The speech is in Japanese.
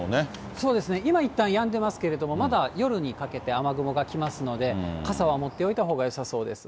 そうですね、今、いったんやんでますけれども、まだ夜にかけて雨雲が来ますので、傘は持っておいたほうがよさそうです。